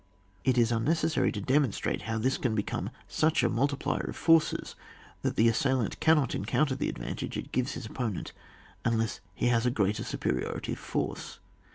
It is unnecessary to demonstrate how this can become such a multiplier of forces that the assailant cannot encounter the advantage it gives his opponent unless he has a g^at superiority of force.